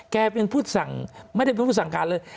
เป็นผู้สั่งไม่ได้เป็นผู้สั่งการเลย